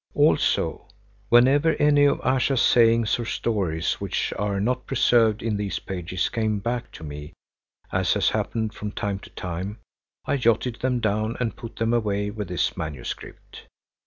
Also, whenever any of Ayesha's sayings or stories which are not preserved in these pages came back to me, as has happened from time to time, I jotted them down and put them away with this manuscript.